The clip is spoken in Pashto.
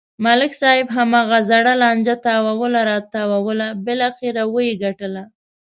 ملک صاحب هماغه زړه لانجه تاووله راتاووله بلاخره و یې گټله.